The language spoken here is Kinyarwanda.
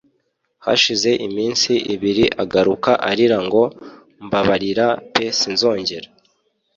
hashize iminsi ibiri agaruka arira ngo mbabarira pe sinzongera